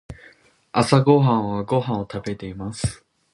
朝ごはんはご飯を食べています。